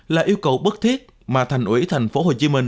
là yêu cầu bất thiết mà thành ủy thành phố hồ chí minh